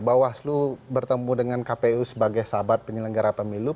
bawaslu bertemu dengan kpu sebagai sahabat penyelenggara pemilu